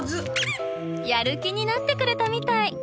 やる気になってくれたみたい。